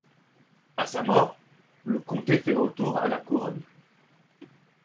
À sa mort, le comté fait retour à la Couronne.